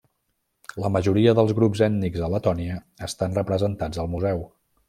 La majoria dels grups ètnics a Letònia estan representats al museu.